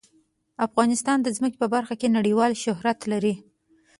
افغانستان د ځمکه په برخه کې نړیوال شهرت لري.